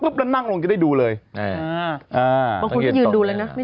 ปุ๊บนั่งลงจะได้ดูเลยเอออ่าบางคนก็ยืนดูเลยนะไม่